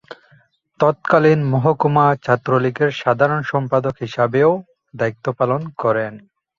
তৎকালীন মহকুমা ছাত্রলীগের সাধারণ সম্পাদক হিসেবেও দায়িত্ব পালন করেন।